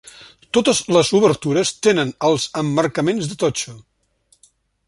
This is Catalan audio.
Totes les obertures tenen els emmarcaments de totxo.